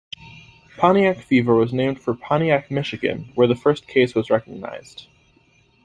Pontiac fever was named for Pontiac, Michigan, where the first case was recognized.